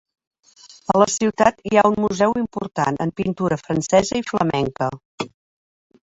A la ciutat hi ha un museu important en pintura francesa i flamenca.